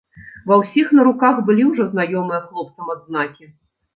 Ва ўсіх на руках былі ўжо знаёмыя хлопцам адзнакі.